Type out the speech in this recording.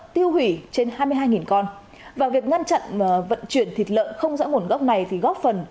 qua các tỉnh mân cận